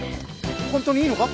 本当にいいのか？